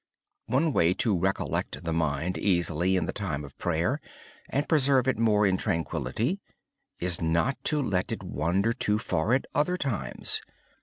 One way to re collect the mind easily in the time of prayer, and preserve it more in tranquillity, is not to let it wander too far at other times.